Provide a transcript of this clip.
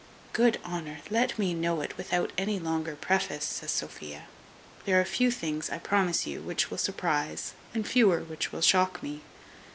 "Good Honour, let me know it without any longer preface," says Sophia; "there are few things, I promise you, which will surprize, and fewer which will shock me."